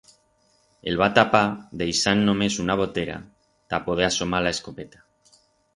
El va tapar deixand només una botera ta poder asomar la escopeta.